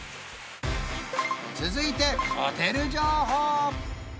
続いてホテル情報！